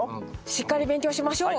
しっかり勉強しましょう。